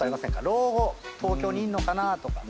老後東京にいんのかなとか。